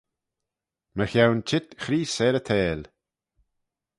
Mychione çheet Chreest er y theihll.